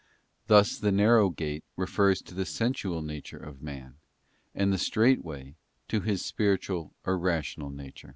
Thus the narrow gate refers to the sensual nature of man, and the strait way to his spiritual or rational nature.